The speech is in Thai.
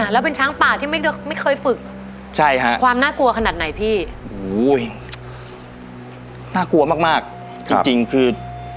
แล้วเป็นช้างป่าที่ไม่เคยฝึกใช่ค่ะความน่ากลัวขนาดไหนพี่น่ากลัวมากจริงคือ